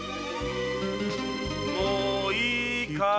もういいかーい。